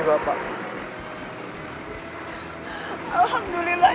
ba bapak tidak perlu isaiah pak